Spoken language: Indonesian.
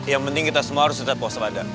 yang penting kita semua harus tetap puasa badan